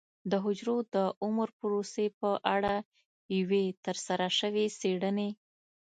د حجرو د عمر پروسې په اړه یوې ترسره شوې څېړنې